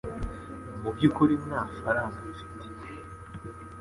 Mu byukuri nta faranga mfite